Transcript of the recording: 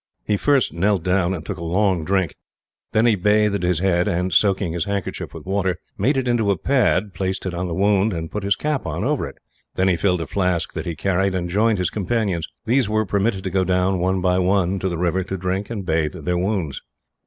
He first knelt down and took a long drink; then he bathed his head and, soaking his handkerchief with water, made it into a pad, placed it on the wound, and put his cap on over it. Then he filled a flask that he carried, and joined his companions. These were permitted to go down, one by one, to the river to drink and bathe their wounds.